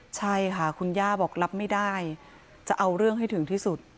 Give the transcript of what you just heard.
ใช่ค่ะคุณย่าบอกรับไม่ได้จะเอาเรื่องให้ถึงที่สุด